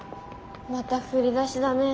また振り出しだね。